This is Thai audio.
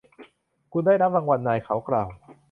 คุณได้รับรางวัลนายเขากล่าว